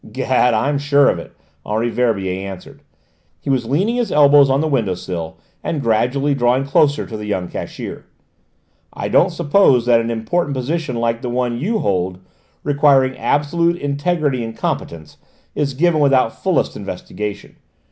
"Gad, I'm sure of it," Henri Verbier answered: he was leaning his elbows on the window sill and gradually drawing closer to the young cashier. "I don't suppose that an important position like the one you hold, requiring absolute integrity and competence, is given without fullest investigation.